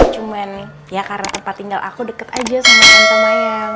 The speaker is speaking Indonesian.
cuma ya karena tempat tinggal aku deket aja sama tante mayang